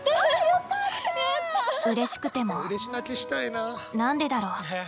うれしくても何でだろう？